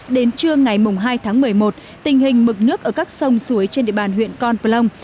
đến trưa ngày hai tháng một mươi một tình hình mực nước ở các sông suối trên địa bàn huyện con plong